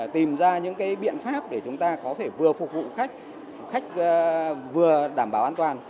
tìm ra những biện pháp để chúng ta có thể vừa phục vụ khách khách vừa đảm bảo an toàn